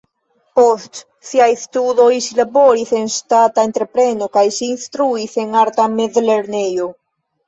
Post siaj studoj ŝi laboris en ŝtata entrepreno kaj ŝi instruis en arta mezlernejo.